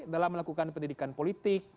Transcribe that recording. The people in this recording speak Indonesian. dalam melakukan pendidikan politik